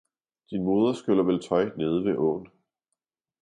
din moder skyller vel tøj nede ved åen.